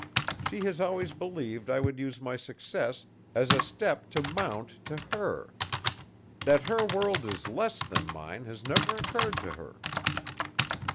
She has always believed I would use my success as a step to mount to her. That her world is less than mine has never occurred to her."